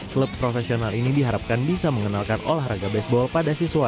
klub profesional ini diharapkan bisa mengenalkan olahraga baseball pada siswa